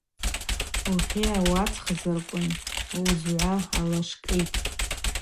Ухьыгӏа уацгъзырквын уызгӏва алашкӏьитӏ.